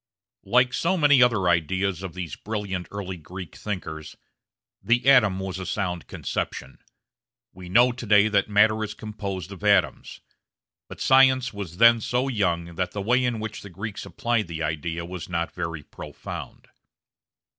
Like so many other ideas of these brilliant early Greek thinkers, the atom was a sound conception. We know to day that matter is composed of atoms. But science was then so young that the way in which the Greeks applied the idea was not very profound.